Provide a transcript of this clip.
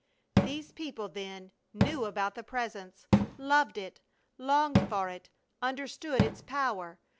These people, then, knew about the Presence, loved it, longed for it, understood its power!